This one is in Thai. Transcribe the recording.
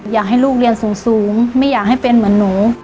อยากให้ลูกเรียนสูงไม่อยากให้เป็นเหมือนหนู